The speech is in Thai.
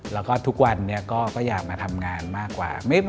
แล้วก็ทุกวันนี้ก็อยากมาทำงานมากกว่า